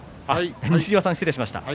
西岩さん失礼しました。